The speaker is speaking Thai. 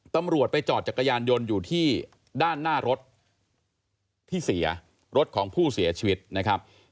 ตำรวจไปจอดจักรยานยนต์อยู่ที่ด้านหน้ารถที่เสียรถของผู้เสียชีวิตนะครับ